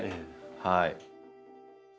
はい。